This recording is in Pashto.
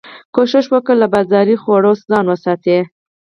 کوښښ وکړه له بازاري خوړو ځان وساتي